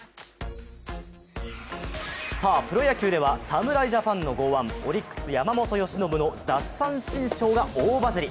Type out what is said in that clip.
プロ野球では、侍ジャパンの剛腕、オリックスの山本由伸の奪三振ショーが大バズり。